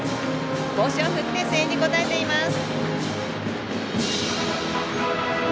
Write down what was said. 帽子を振って声援に応えています。